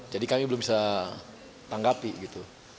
jadi kami belum bisa tanggapi gitu